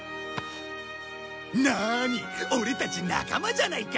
なあにオレたち仲間じゃないか。